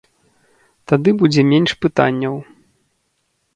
Тады будзе менш пытанняў.